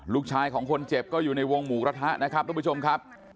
ลูกชายของคนเจ็บก็อยู่ในวงหมูกระทะนะครับทุกผู้ชมครับ